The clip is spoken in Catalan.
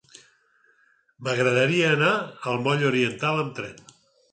M'agradaria anar al moll Oriental amb tren.